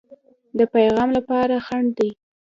د پیغام لپاره خنډ دی.